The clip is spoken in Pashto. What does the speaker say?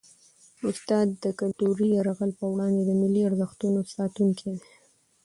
استاد د کلتوري یرغل په وړاندې د ملي ارزښتونو ساتونکی دی.